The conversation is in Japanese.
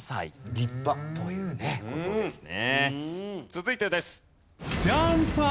続いてです。